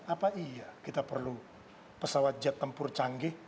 apa iya kita perlu pesawat jet tempur canggih